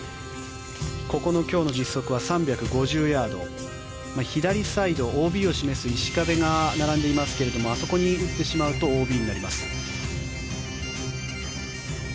ここの今日の実測は３５０ヤード左サイド、ＯＢを示す石壁が並んでいますけれどあそこに打ってしまうとＯＢになります。